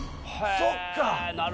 そっか！